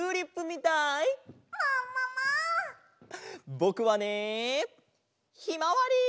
ぼくはねひまわり！